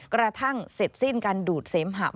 กระทั่งเสร็จสิ้นการดูดเสมหะ